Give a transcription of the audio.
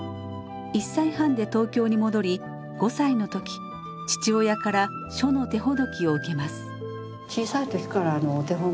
１歳半で東京に戻り５歳の時父親から書の手ほどきを受けます。